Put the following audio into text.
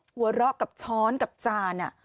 หัวเราะกับช้อนกับจาน